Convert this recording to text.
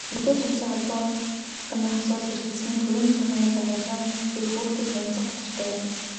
Мэдээлэл, харилцаа холбооны асуудал эрхэлсэн төрийн захиргааны байгууллагын эрх үүрэгтэй танилцах учиртай.